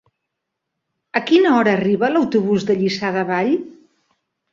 A quina hora arriba l'autobús de Lliçà de Vall?